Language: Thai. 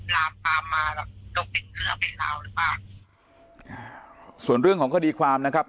ลามตามมาต้องเป็นเผื่อเป็นเราหรือเปล่าส่วนเรื่องของข้อดีความนะครับ